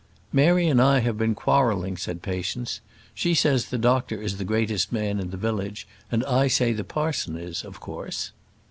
"Mary and I have been quarrelling," said Patience. "She says the doctor is the greatest man in a village; and I say the parson is, of course."